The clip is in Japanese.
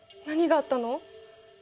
何があったの？